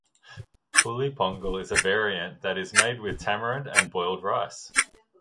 Puli pongal is a variant that is made with tamarind and boiled rice.